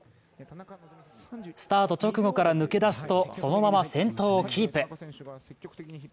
スタート直後から抜け出すとそのまま先頭をキープ。